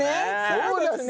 そうですね！